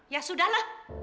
ya sudah lah